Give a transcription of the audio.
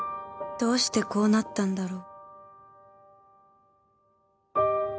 どうしてこうなったんだろう